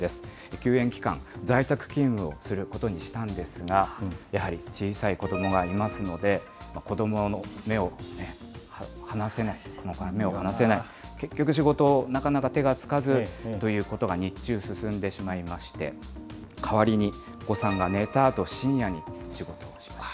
休園期間、在宅勤務をすることにしたんですが、やはり小さい子どもがいますので、子どもから目を離せない、結局、仕事もなかなか手がつかずということが、日中、進んでしまいまして、代わりに、お子さんが寝たあと、深夜に仕事をしました。